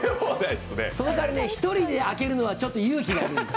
そのかわり、１人で開けるのはちょっと勇気が要るんです。